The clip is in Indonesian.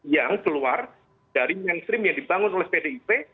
yang keluar dari mainstream yang dibangun oleh pdip